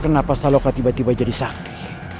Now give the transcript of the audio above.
kenapa saloka tiba tiba jadi sakit